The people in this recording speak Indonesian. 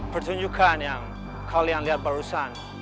pertunjukan yang kalian lihat barusan